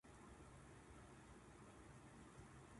公園の桜が、少しずつ散り始めています。